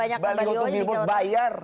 yang paling banyak baliho di jawa tenggara